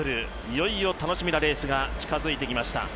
いよいよ楽しみなレースが近づいてきました。